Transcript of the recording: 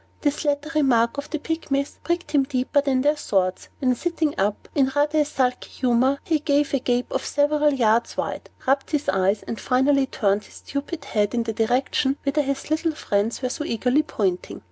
This latter remark of the Pygmies pricked him deeper than their swords; and, sitting up, in rather a sulky humor, he gave a gape of several yards wide, rubbed his eyes, and finally turned his stupid head in the direction whither his little friends were eagerly pointing.